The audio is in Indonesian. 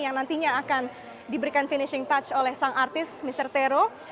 yang nantinya akan diberikan finishing touch oleh sang artis mr tero